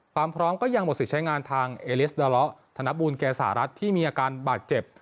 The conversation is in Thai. พร้อมก็ยังหมดสิทธิ์ใช้งานทางเอเลสดอเลาะธนบูลเกษารัฐที่มีอาการบาดเจ็บ